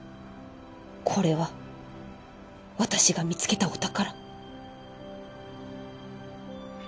これは私が見つけたお宝！